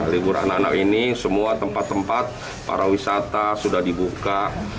libur anak anak ini semua tempat tempat para wisata sudah dibuka